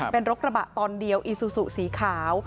เป็นรถกระบะตอนเดียวอีซูซูสีขาว